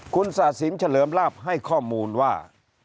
คุณศาสินเฉลิมลาบให้ข้อมูลว่า